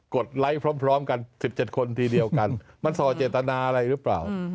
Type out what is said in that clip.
ดไลค์พร้อมกัน๑๗คนทีเดียวกันมันส่อเจตนาอะไรหรือเปล่า